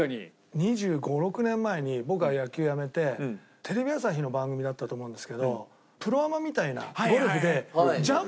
２５２６年前に僕が野球やめてテレビ朝日の番組だったと思うんですけどプロアマみたいな。